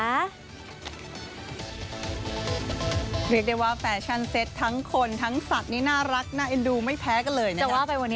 เรียกได้ว่าแฟชั่นเซ็ตทั้งคนทั้งสัตว์นี่น่ารักน่าเอ็นดูไม่แพ้กันเลยนะ